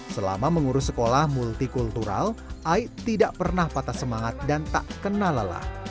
selama mengurus sekolah multikultural ai tidak pernah patah semangat dan tak kenal lelah